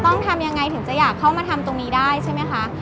ต้องทำยังไงถึงจะอยากเข้ามาทำตรงนี้ได้ใช่ไหมคะ